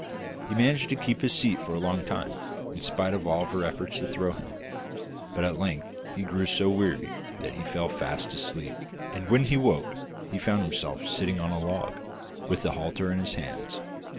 He managed to keep his seat for a long time, in spite of all her efforts to throw him, but at length he grew so weary that he fell fast asleep, and when he woke he found himself sitting on a log, with the halter in his hands.